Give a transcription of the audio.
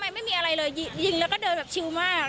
ไม่มีอะไรเลยยิงแล้วก็เดินแบบชิวมาก